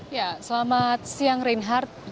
ya selamat siang reinhardt